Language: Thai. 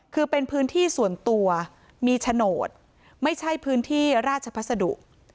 คือเป็นพื้นที่ส่วนตัวมีโฉนดไม่ใช่พื้นที่ราชพัสดุ